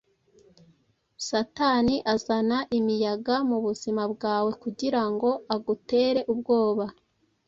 Satani azana imiyaga mu buzima bwawe kugira ngo agutere ubwoba.